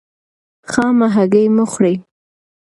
خامه هګۍ مه خورئ.